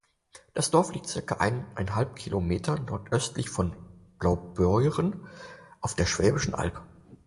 Das Dorf liegt circa eineinhalb Kilometer nordöstlich von Blaubeuren auf der Schwäbischen Alb.